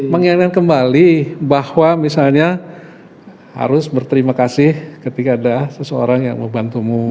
mengingatkan kembali bahwa misalnya harus berterima kasih ketika ada seseorang yang membantumu